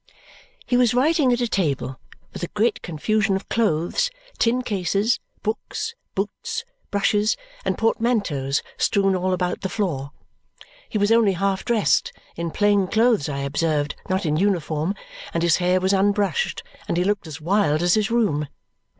He was writing at a table, with a great confusion of clothes, tin cases, books, boots, brushes, and portmanteaus strewn all about the floor. He was only half dressed in plain clothes, I observed, not in uniform and his hair was unbrushed, and he looked as wild as his room.